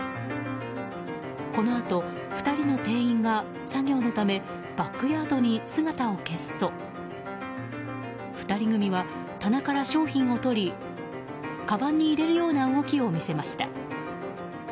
このあと、２人の店員が作業のためバックヤードに姿を消すと２人組は、棚から商品を取りかばんに入れるような動きを見せました。